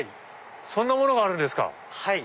そんなものがあるんですか。